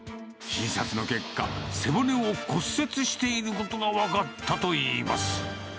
診察の結果、背骨を骨折していることが分かったといいます。